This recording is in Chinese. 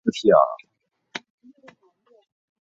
深灰槭为无患子科槭属的植物。